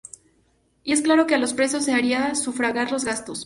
Y es claro que a los presos se haría sufragar los gastos.